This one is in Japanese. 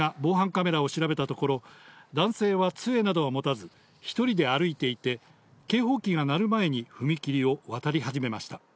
警察が防犯カメラを調べたところ、男性はつえなどは持たず、１人で歩いていて、警報機が鳴る前に、踏切を渡り始めました。